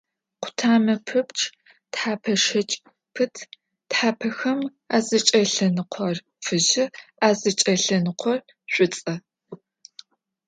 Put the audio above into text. Къутамэ пэпчъ тхьэпэ щэкӀ пыт, тхьапэхэм азыкӀэлъэныкъор фыжьы, азыкӀэлъэныкъор шӀуцӀэ.